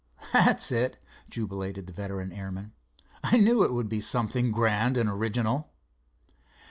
"That's it," jubilated the veteran airman. "I knew it would be something grand and original."